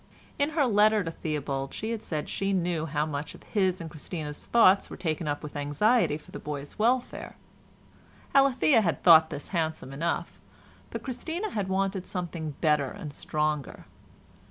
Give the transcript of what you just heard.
In her letter to Theobald she had said she knew how much of his and Christina's thoughts were taken up with anxiety for the boy's welfare. Alethea had thought this handsome enough, but Christina had wanted something better and stronger.